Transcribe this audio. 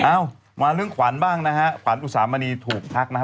เอ้ามาเรื่องขวัญบ้างนะฮะขวัญอุสามณีถูกทักนะฮะ